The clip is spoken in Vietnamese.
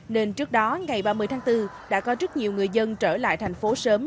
nên trước đó ngày ba mươi tháng bốn đã có rất nhiều người dân trở lại thành phố sớm